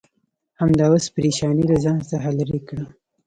همدا اوس پرېشانۍ له ځان څخه لرې کړه.